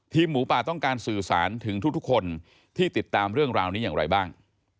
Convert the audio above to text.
หมูป่าต้องการสื่อสารถึงทุกคนที่ติดตามเรื่องราวนี้อย่างไรบ้าง